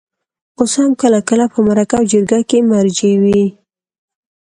اوس هم کله کله په مرکه او جرګه کې مرجع وي.